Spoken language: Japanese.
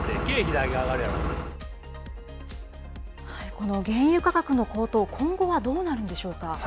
この原油価格の高騰、今後はどうなるんでしょうか。